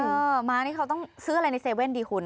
ม้านี่เขาต้องซื้ออะไรในเซเว่นดีคุณ